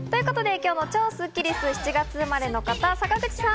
今日の超スッキりすは７月生まれの方です、坂口さん。